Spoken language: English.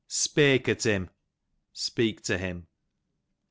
Speyk at him, speak to him.